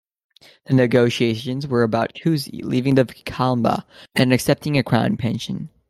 The negotiations were about Cusi leaving the Vilcabamba and accepting a Crown pension.